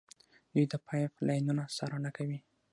دوی د پایپ لاینونو څارنه کوي.